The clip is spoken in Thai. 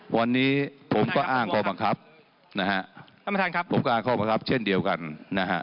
วันนี้ผมก็อ้างคอบังคับนะฮะผมก็อ้างคอบังคับเช่นเดียวกันนะฮะ